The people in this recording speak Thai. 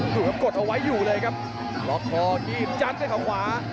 ดูกับกดเอาไว้อยู่เลยครับล็อคคอดยีบจันทร์ของขวา